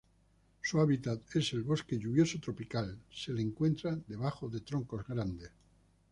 Su hábitat es el bosque lluvioso tropical, se le encuentra debajo de troncos grandes.